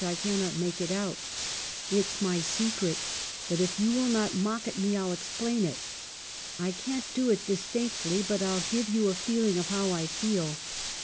I cannot make it out.' "' It's my secret. But if you will not mock at me, I'll explain it. I can't do it distinctly ; but I'll give you a feeling of how I feel.' 246 EMILY BROXTE.